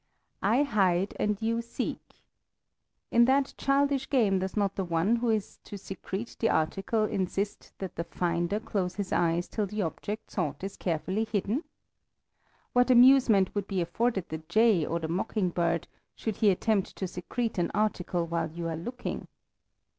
"I hide and you seek." In that childish game does not the one who is to secrete the article insist that the "finder" close his eyes till the object sought is carefully hidden? What amusement would be afforded the jay, or the mockingbird, should he attempt to secrete an article while you are looking?